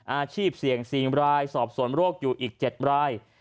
อาชีพเสี่ยง๔รายสอบส่วนโรคอยู่อีก๗ราย